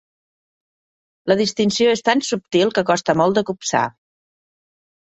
La distinció és tan subtil que costa molt de copsar.